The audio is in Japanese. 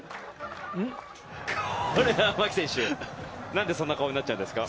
牧選手、何でそんな顔になっちゃうんですか？